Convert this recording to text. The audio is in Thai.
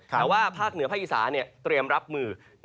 แต่ว่าภาคเหนือภาคอีสานเตรียมรับมือ